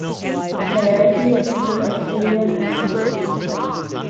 There he attended Arcadia High School.